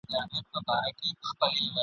په نقشو د شیطانت کي بریالی سو !.